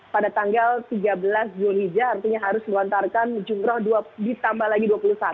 pada tanggal tiga belas juliza artinya harus melontarkan jumroh ditambah lagi dua puluh satu